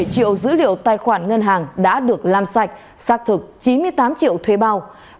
một mươi triệu dữ liệu tài khoản ngân hàng đã được làm sạch xác thực chín mươi tám triệu thuê bao